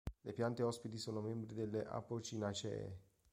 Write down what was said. Le piante ospiti sono membri delle Apocynaceae.